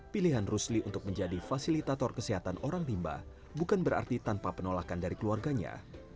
pilihan rusli untuk menjadi fasilitator kesehatan orang rimba bukan berarti tanpa penolakan dari keluarganya